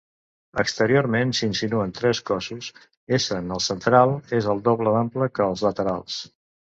Exteriorment s'insinuen tres cossos, essent el central és el doble d'ample que els laterals.